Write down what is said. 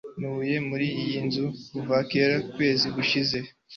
Ntuye muri iyi nzu kuva ukwezi gushize.